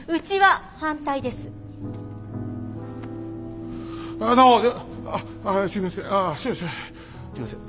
すいません